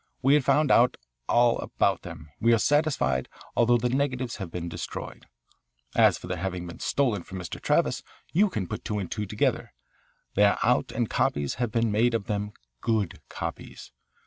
We have found out all about them; we are satisfied, although the negatives have been destroyed. As for their having been stolen from Travis, you can put two and two together. They are out and copies have been made of them, good copies.